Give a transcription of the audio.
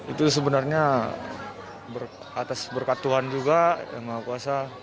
itu sebenarnya atas berkat tuhan juga yang mengakuasa